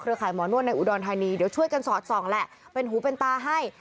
ขายหมอนวดในอุดรธานีเดี๋ยวช่วยกันสอดส่องแหละเป็นหูเป็นตาให้